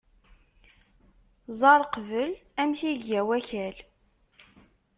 Ẓer qbel amek i iga wakal.